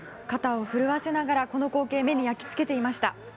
肩を震わせながらこの光景を目に焼き付けていました。